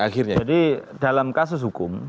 akhirnya ya jadi dalam kasus hukum